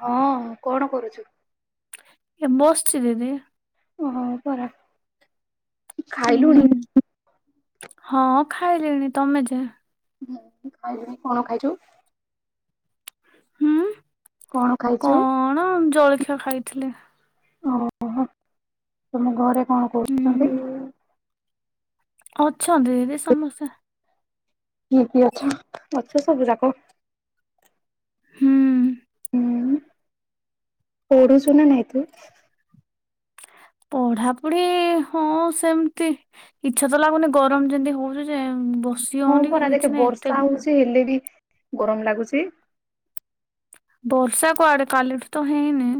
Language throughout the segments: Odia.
ହଁ କଣ କରୁଛୁ। ଏ ବସଛି ଦିଦି। ହଁ ପରା, ହୁଁ ଖାଇଲୁଣି। ହଁ ଖାଇଲିଣି, ତମେ ଯେ? ହୁଁ ଖାଇଲିଣି, କଣ ଖାଇଛୁ? ହୁଁ କଣ ଖାଇଛୁ। କଣ ଜଳଖିଆ ଖାଇଥିଲି। ଓହୋ, ତମ ଘରେ କଣ କରୁଛନ୍ତି। ହୁଁ ଅଛନ୍ତି ଦିଦି ସମସ୍ତେ। କିଏ କିଏ ଅଛ, ଅଛ ସବୁ ଯାକ। ହୁଁ ହୁଁ ପଢୁଛୁ ନା ନାହିଁ ତୁ? ପଢା ପଢି ହଁ ସେମିତି, ଇଚ୍ଛା ତ ଲାଗୁନି ଗରମ ଯେମତି ହଉଛି ଯେ ବସି ହଁ ହଉନି କି ପରା ଦେଖେ କିଛି ନାହିଁ ଏତେ ବର୍ଷା ହଉଛି ହେଲେ ବି ଗରମ ଲାଗୁଛି। ବର୍ଷା କୁଆଡେ କାଲିଠୁ ତ ହେଇନି।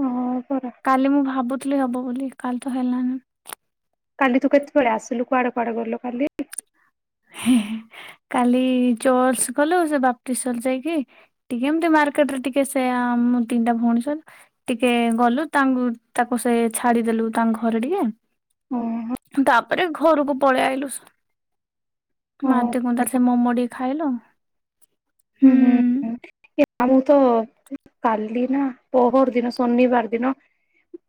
ହଁ ପରା। କାଲି ମୁଁ ଭାବୁଥିଲି ହେବ ବୋଲି କାଲି ତ ହେଲାନି। କାଲି ତୁ କେତେବେଳେ ଆସିଲୁ। କୁଆଡେ କୁଆଡେ ଗଲୁ କାଲି। ହେଁ ହେଁ କାଲି ଜର୍ସ ଗଲୁ ସେ ବାପଟେଶ୍ୱର ଯାଇକି। ଟିକେ ଏମିତି ମାର୍କେଟରେ ଟିକେ ସେ, ମୋ ତିନିଟା ଭଉଣୀ ସହିତ। ଟିକେ ଗଲୁ ତାଙ୍କୁ ତାକୁ ସେ ଛାଡିଦେଲୁ ତାଙ୍କ ଘରେ ଟିକେ। ଓହ। ତାପରେ ଘରକୁ ପଳେଇ ଆଇଲୁ। ଓହୋ। ମାଦକତା ସେ ମୋମୋ ଟିକେ ଖାଇଲୁ। ହୁଁ ହୁଁ ହୁଁ। ଆ ମୁଁ ତ କାଲି ନା ପହରଦିନ ଶନିବାର ଦିନ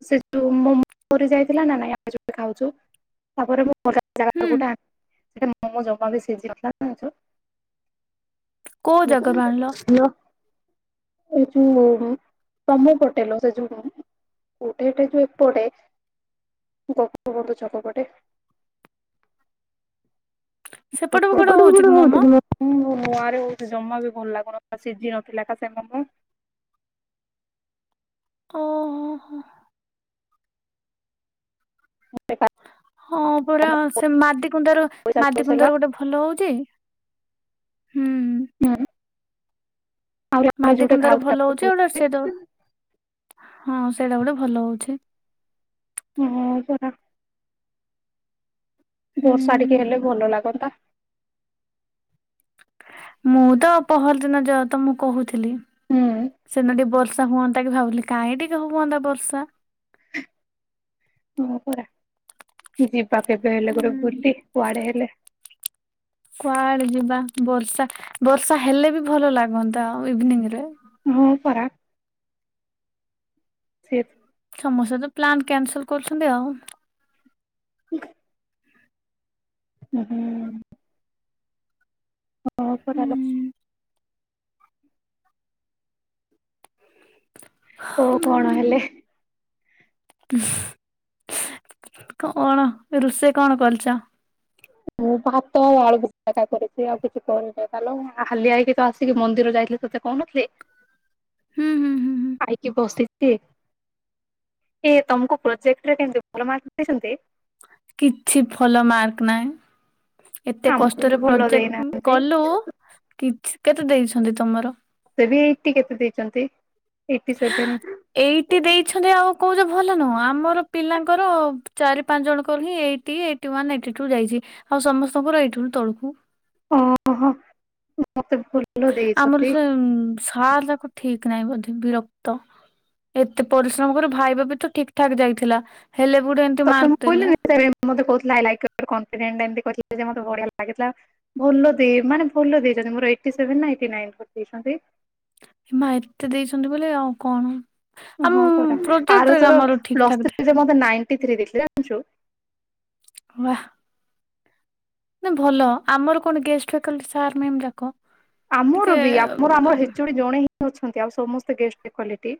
ସେ ଯୋଉ ମୋର [unintelligible] ଯାଇଥିଲା ନା ନାଇଁ ଖାଉଛେ। ତାପରେ ମୁଁ ଜାଗ [unintelligible] ହୁଁ ଗୋଟେ ସେ ମୋମୋ ଜମା ବି ସିଝିନଥିଲା। କୋଉ ଦେଖ ଜାଗାରୁ ଆଣିଲ [unintelligible] ଏ ଯୋଉ ତମୁ ପଟେଲ ସେ ଯୋଉ ଉଠେ ଏଠେ ଯୋ ଏପଟେ ଗୋପବନ୍ଧୁ ଛକ ପଟେ। ସେପଟକୁ ଗୋଟେ ହଉଛି ସେପଟକୁପଟ କି ମୋମୋ କହୁଛି [unintelligible] ହୁଁ, ନୂଆ ରେ ହଉଛି ଜମା ବି ଭଲ ଲାଗୁନଥିଲା ସିଝି ନଥିଲା ଠିକ୍ ସେ ମୋମୋ ଓହୋ ହ ହଁ ପୁରା ପଇସା ସେ ମାଦିକୁୁନ୍ଦାର ଲସ୍ ହେଲା ମାଦିକୁନ୍ଦାରୁ ଗୋଟେ ଭଲ ହଉଛି ହୁଁ। ହୁଁ [unintelligible] ଆପଣ ମାଦି ଯୋଉଟା କୁନ୍ଦାରୁ ଖାଉ [unintelligible] ହଁ ସେଇଟା ଗୋଟେ ଭଲ ହଉଛି। ହୁଁ [unintelligible] ବର୍ଷା ହୁଁ ଟିକେ ହେଲେ ଭଲ ଲାଗନ୍ତା। ମୁଁ ତ ପହରଦିନ ଯେହେତୁ ମୁଁ କହୁଥିଲି ହୁଁ ସେଦିନ ଟିକେ ବର୍ଷ ହୁଅନ୍ତା କି ଭାବୁଥିଲି କାଇଁ ଟିକେ ହୁଅନ୍ତା ବର୍ଷା ହଁ ପରା ଯିବା କେବେ ହେଲେ ଗୋଟେ ହୁଁ ବୁଲି, କୁଆଡେ ହେଲେ? କୁଆଡେ ଯିବା? ବର୍ଷା ବର୍ଷା ହେଲେ ବି ଭଲ ଲାଗନ୍ତା ଆଉ ଇଭିନିଂରେ। ହଁ ପରା। ସେ ସମସ୍ତେ ତ ପ୍ଲାନ୍ କ୍ୟାନସଲ୍ କରୁଛନ୍ତି ଆଉ। ହୁଁ। ଉଁ - ହୁଁ। [unintelligible] ହୁଁ। କୁହ କଣ ହେଲେ? କଣ ରୋଷେଇ କଣ କରିଛ? ମୁଁ ଭାତ ଆଉ ଆଳୁଚକଡ଼ା କରିଛି ଆଉ କିଛି କରିନି, [unintelligible] ହାଲିଆ ହେଇକି ତ ଆସିକି ମନ୍ଦିର ଯାଇଥିଲୁ। ସେ କହୁନଥିଲି, ହୁଁ ହୁଁ ହୁଁ ହୁଁ ଆଇକି ବସି [unintelligible] ଇଏ ତମକୁ ପ୍ରୋଜେକ୍ଟ ରେ କେମିତି ଭଲ ମାର୍କ ଦେଇଛନ୍ତି? କିଛି ଭଲ ମାର୍କ ନାହିଁ। ଏତେ ଆମକୁ ବି କଷ୍ଟରେ ଭଲ ପ୍ରୋଜେକ୍ଟ ଦେଇନାହାନ୍ତି କଲୁ, କିଛି କେତେ ଦେଇଛନ୍ତି ତମର? ମତେ ବି ଏଇଟି କେତେ ଦେଇଛନ୍ତି, ଏଇଟି ସେଭେନ୍। ଏଇଟି ଦେଇଛନ୍ତି ଆଉ କହୁଛ ଭଲ ନୁହଁ, ଆମର ପିଲାଙ୍କର ଚାରି ପାଞ୍ଚ ଜଣଙ୍କର ହିଁ ଏଇଟି ହି ଏଇ ଏଇଟି ୱାନ୍ ଏଇଟି ଟୁ ଯାଇଛି, ଆଉ ସମସ୍ତଙ୍କର ଏଇଟିରୁ ତଳକୁ। ଓ ହୋ ମତେ ଭୁଲ ଆମର ସେ ସାର ଯାକ ଠିକ୍ ନାହିଁ ବୋଧେ ବିରକ୍ତ ଏତେ ପରିଶ୍ରମ କରୁ ଭାଇବା ବି ତ ଠିକ୍ ଠାକ୍ ଯାଇଥିଲା, ହେଲେ [unintelligible] ତତେ ମୁଁ ଦେଲେ କହିଲିନି ସେ ମତେ କହୁଥିଲା ଆଇ ଲାଇକ ୟୋର୍ କନ୍ଫିଡେଣ୍ଟ, ଏମିତି କହିଥିଲା ଯେ ମତେ ବଢିଆ ଲାଗିଥିଲା। ଭଲ ଦେଇ ମାନେ ଭଲ ଦେଇଛନ୍ତି, ମୋର ଏଇଟି ସେଭେନ ନା ଏଇଟି ନାଇନ କରିଦେଇଛନ୍ତି। ଏ ମା ଏତେ ଦେଇଛନ୍ତି ବୋଲେ ଆଉ କଣ? ଆମ ହଁ ପରା ଆର ପ୍ରୋଜେକ୍ଟରେ ଥର ଆମର ଠିକ ପ୍ଲସ୍ ଠାକ ଥିଲା ଥ୍ରୀରେ ମତେ ନାଇଟୀ ଥ୍ରୀ ଦେଇଥିଲେ ଜାଣିଛୁ? ୱା। ନା ଭଲ, ଆମର କଣ ଗେଷ୍ଟ ଭେକ୍ଲଟି ସାର୍ ମ୍ୟାମ ଯାକ ଆମର ଟିକେ ବି ଆମର ଏଚ ଓ ଡ଼ି ଜଣେ ହିଁ ଅଛନ୍ତି, ଆଉ ସମସ୍ତେ ଗେଷ୍ଟ ଭ୍ୟାକୁଲିଟି।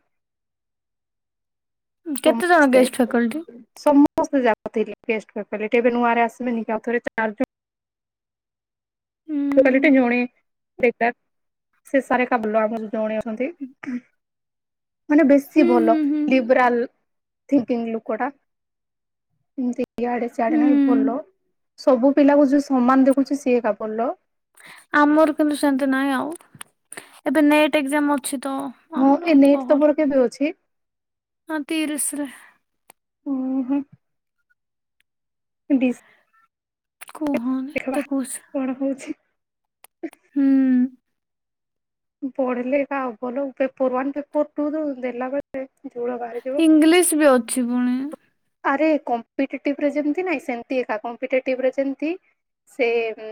କେତେ ଜଣ ଗେଷ୍ଟ ଭ୍ୟାକଲ୍ଟି? ସମସ୍ତେ ଯାକଥିଲେ ଗେଷ୍ଟ ଭ୍ୟାକୁଲିଟି, ଏବେ ନୂଆରେ ଆସିବେନି କି ଆଉ ଥରେ ଚାରି ହୁଁ ଭ୍ୟାକୁଲିଟି ଜଣେ ସେଇଟା ସେ ସାର୍ ଏକା [unintelligible] ଜଣେ ଅଛନ୍ତି। ମାନେ ବେଶୀ ହୁଁ ଭଲ ହୁଁ ହୁଁ ଲିବରାଲ ଥିକିଙ୍ଗ ଲୋକଟା, ଏମିତି ଇଆଡେ ସିଆଡେ ନାଇ ହୁଁ ଭଲ, ସବୁ ପିଲାକୁ ଯୋଉ ସମାନ ଦେଖୁଛି ସିଏ ଏକା ଭଲ। ଆମର କିନ୍ତୁ ସେମତି ନାହିଁ ଆଉ, ଏବେ ନେଟ୍ ଏକଜାମ ଅଛି ତ। ହଁ ଆମର ବେ ନେଟ୍ ପହର ତମର କେବେ ଅଛି? ହଁ ତିରିଶରେ। ଉଁ - ହୁଁ। ଡିସ କୁହନି ଏତେ ଦେଖବା କହୁଛି କଣ ହଉଛି ହୁଁ ପଢିଲେ ଏକା ହବଲୋ ପେପର ୱାନ୍ ପେପର୍ ଟୁ ଦ ଦେଲାବେଳେ ଯୋଡ଼ ବା ଇଂଲିଶ ବି ଅଛି ପୁଣି ଆରେ କମ୍ଟିଟେଟିଭ୍ ରେ ଯେମତି ନାଇଁ ସେମତି ଏକା କମ୍ଟିଟେଟିଭ୍ ଯେମତି ସେମ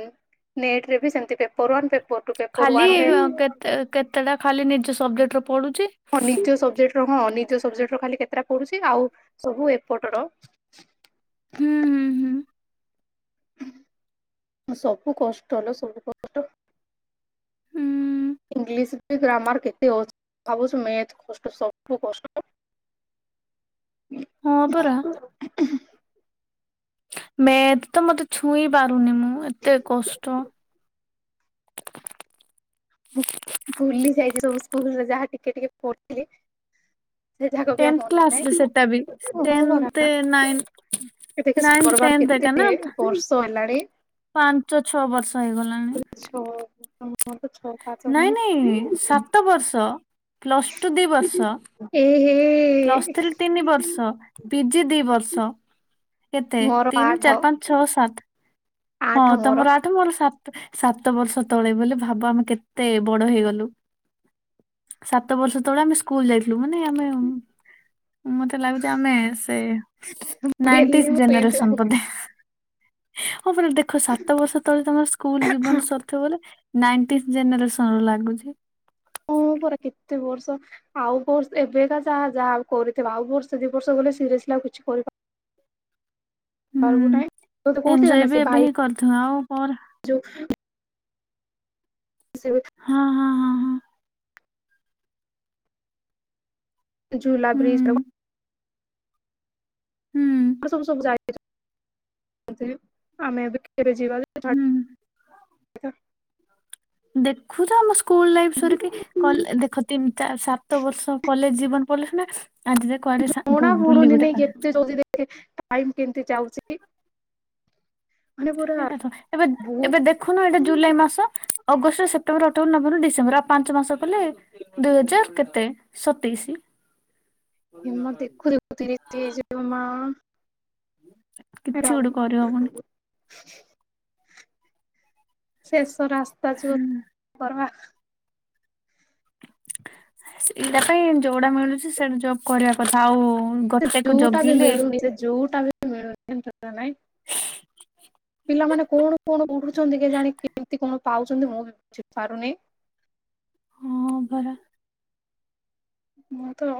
ନେଟରେ ବି ସେମିତି paper one paper two paper ୱାନରେ ଏ କେତେଟା ଖାଲି ନିଜ ସବଜେକ୍ଟର ପଢୁଛି ହଁ ନିଜ ସବଜେକ୍ଟ ର ହଁ ନିଜ ସବଜେକ୍ଟ ର ଖାଲି କେତେଟା ପଡୁଛି ଆଉ ସବୁ ଏପଟ ର ହୁଁ ହୁଁ ହୁଁ ସବୁ କଷ୍ଟ ଲୋ ସବୁ କଷ୍ଟ ହୁଁ ଇଂଲିଶ ବି ଗ୍ରାମାର କେତେ ଅଛି ଭାବୁଛୁ ମ୍ୟାଥ କଷ୍ଟ ସବୁ କଷ୍ଟ [inaudible] ହଁ ପରା ମେଥ ତ ମତେ ଛୁଇଁ ପାରୁନି ମୁଁ ମୁଁ ଏତେ କଷ୍ଟ ଭୁଲି ଯାଇଛି ସବୁ ସ୍କୁଲରେ ଯାହା ଟିକେ ଟିକେ ପଢୁଥିଲି ସେ ଜାକ ବି ଆଉ ଟେନ୍ଥ ମନେ କ୍ଲାସରେ ନାହିଁ ସେଟା ବି କ ହଁ ଟେନ୍ଥ ପରା ନାଇନ୍ ଏ ଦେଖ ନାଇନ୍ଥ ସୋରବାର ଟେନ୍ଥ ଏକା ନା କେତେଯେ ବର୍ଷ ହେଲାଣି ପାଞ୍ଚ ଛଅ ବର୍ଷ ହେଇଗଲା ଛଅ ତ [unintelligible] ଛଅ ପାଞ୍ଚ ନାଇଁ ଗଣି ନାଇଁ ସାତ ବର୍ଷ ପ୍ଲସ ଟୁ ଦି ବର୍ଷ ଏ ହେ ପ୍ଲସ୍ ଥ୍ରୀ ତିନି ବର୍ଷ ପିଜି ଦି ବର୍ଷ କେତେ ମୋର ତିନି ଆଠ ଚାରି ପାଞ୍ଚ ଛଅ ସାତ ହଁ ଆଠ ମୋର ତମର ଠ ମୋର ସାତ ସାତ ବର୍ଷ ତଳେ ବୋଲି ଭାବ ଆମେ କେତେ ବଡ ହେଇଗଲୁ ସାତ ବର୍ଷ ତଳେ ଆମେ ସ୍କୁଲ ଯାଇଥିଲୁ ମାନେ ଆମେ ମତେ ଲାଗୁଛି ଆମେ ସେ ବୁଢୀ ନାଇଟି ହେଲିଣି ମୁଁ ଏମିତି ଜେନେରେସନ୍ ଲାଗିଲାଣି ବଧେ ହଁ ମାନ ଦେଖ ସାତ ବର୍ଷ ତଳେ ତମର ସ୍କୁଲ ଜୀନ ସତ ବୋଲେ ନାଇଟି ଜେନେରେସନ ରୁ ଲାଗୁଛି ଓ ପରା କେତେ ବର୍ଷ ଆଉ କୋର୍ଷ ଏବେକା ଯାହା ଯାହା କରିଥିବା ଆଉ ବର୍ଷ ଦି ବର୍ଷ ଗଲେ ସିରିଏଶ୍ ଆଉ କିଛି କରି କରିବୁ ହୁଁ ନାହିଁ ତ ତ ଏଞ୍ଜୟ କୋଉଥିଲା ବି ସେ ଏବେ ହିଁ ଭାଇ କରିଥିବ ଆଉ ପରେ ଯଉ ସେ ହଁ ହଁ ହଁ ହଁ ଝୁଲା ବ୍ରିଜ ହୁଁ। ହୁଁ ସବୁ ସବୁ ଯାଇ ଆମେ ଏବେ ଯିବା ହୁଁ [unintelligible] ଦେଖୁଛ ଆମ ସ୍କୁଲ ଲାଇଫ୍ ସରିକି ଯେ କଲେ ଦେଖ ତିନି ସାତ ବର୍ଷ କଲେଜ ଜୀବନ ପଡ଼ିଲେ ସୁନା ଆଜି କୁଆଡେ ସା ବୁ ଜଣା ବୁଲି ପଡୁନି ଗୋଟେ ନାଇ ପା କେତେ ଜଲଦି ଦେଖ ଟାଇମ କେମତି ଯାଉଛି। ମାନେ ପୁରା ସେଇଟା ତ ଏବେ ଏବେ ବହୁତ ଦେଖୁନ ଏଟା ଜୁଲାଇ ମାସ ଅଗଷ୍ଟ ସେପ୍ଟେମ୍ବର ଅଠବର ନଭେବର ଡିସେମ୍ବର ଆଉ ପାଞ୍ଚ ମାସ କଲେ ଦୁଇ ହଜାର କେତେ ସତେଇଶି ଏମା ଦେଖୁ ଦେଖୁତିରିଶ ଡେ ହେଇଯିବ ମା କିଛି ରହୁ ଗୋଟେ କରିହବୁନି ଶେଷ ରାସ୍ତା ଯୋ କରବା ସେଇଟା ପାଇଁ ଯୋଉଟା ମିଳୁଛି ସେଟା ଜବ କରିବା କଥା ଆଉ। ସେ ଗୋଟେକୁ ଜଉଟା ବି ଜଗିଲେ ମିଳୁନି ସେ ଜୁଟା ବି ମିଳୁନି ନାଇଁ। ପିଲାମାନେ କଣ କଣ ଉଠୁଛନ୍ତି କି ଜାଣି କେମିତି କଣ ପାଉଛନ୍ତି ମୁଁ ବି ବୁଝିପାରୁନି। ହଁ ପରା। ମୁଁ ତ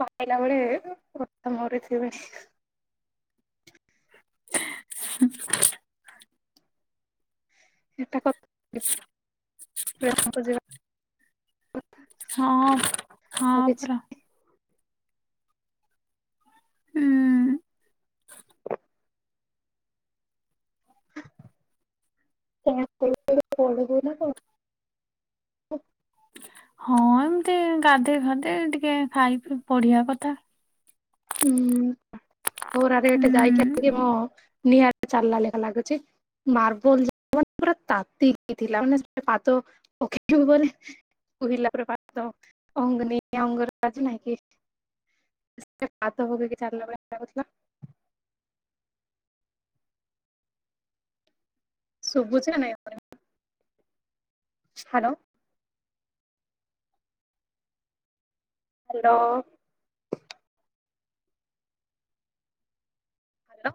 ପାଇଲା ବେଳେ କଥା ମରିଥିବି। ଏଠା [unintelligible] ହଁ ହଁ ଆଉ କିଛି ପରା ହୁଁ। ପିବୁ ନା କଣ? ହଁ ଏମିତି ଗାଧୋଇ ଖାଧୋଇ ଟିକେ ଖାଇ ପଢିବା କଥା। ହୁଁ ଘୋରରେ ଗୋଟେ ହୁଁ। ଯାଇକି ମୁଁ ନିଆଁରେ ଚାଲିଲା ଲେଖା ଲାଗୁଛି। ମାର୍ବଲ ମ ପା ତାତି [unintelligible] [unintelligible] [unintelligible] ଶୁଭୁଛି ନା ନାଇଁ? ହ୍ୟାଲୋ। ହ୍ୟାଲୋ। ହ୍ୟାଲୋ